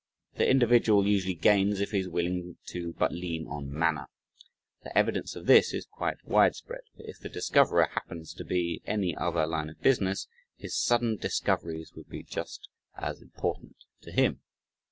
The individual usually "gains" if he is willing to but lean on "manner." The evidence of this is quite widespread, for if the discoverer happens to be in any other line of business his sudden discoveries would be just as important to him.